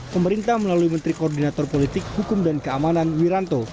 pemerintah melalui menteri koordinator politik hukum dan keamanan wiranto